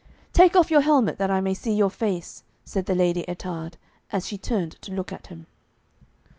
'Take off your helmet that I may see your face,' said the Lady Ettarde, as she turned to look at him.